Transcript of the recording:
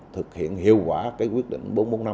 thực hiện hiệu quả quyết định bốn trăm bốn mươi năm